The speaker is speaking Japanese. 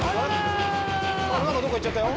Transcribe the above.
どっか行っちゃったよ。